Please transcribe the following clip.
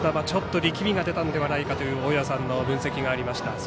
ちょっと力みが出たのではないかという大矢さんの分析がありました。